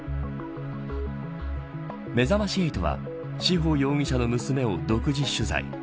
めざまし８は志保容疑者の娘を独自取材。